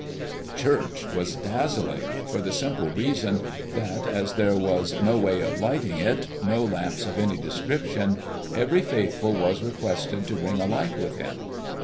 The church was dazzling, for the simple reason that as there was no way of lighting it, no lamps of any description, every faithful was requested to bring a light with him.